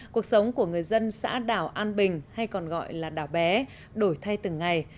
cuộc sống của người dân xã đảo an bình hay còn gọi là đảo bé đổi thay từng ngày